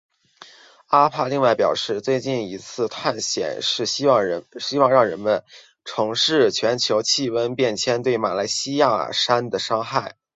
阿帕另外表示最近一次探险是希望让人们重视全球气候变迁对喜玛拉雅山的伤害。